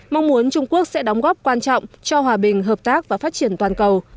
mong muốn trung quốc sẽ đóng góp quan trọng cho hòa bình hợp tác và phát triển toàn cầu